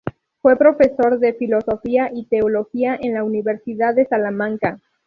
Fue profesor de Filosofía y Teología en la Universidad de Salamanca.